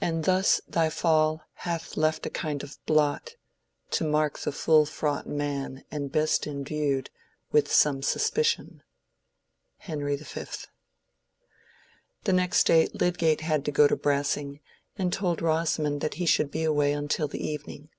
"And thus thy fall hath left a kind of blot, To mark the full fraught man and best indued With some suspicion." —Henry V. The next day Lydgate had to go to Brassing, and told Rosamond that he should be away until the evening.